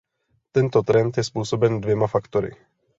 Tento trend je způsoben dvěma faktory.